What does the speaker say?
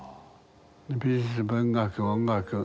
美術文学音楽